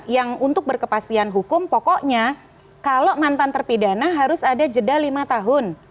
yang untuk berkepastian hukum pokoknya kalau mantan terpidana harus ada jeda lima tahun